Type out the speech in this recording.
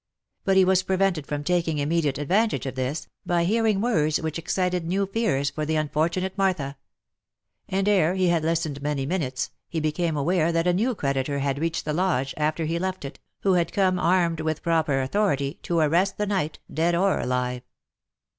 But he was prevented from taking im mediate advantage of this, by hearing words which excited new fears for the unfortunate Martha ; and, ere he had listened many minutes, he became aware that a new creditor had reached the lodge after he left it, who had come, armed with proper authority, to arrest the knight, dead or alive.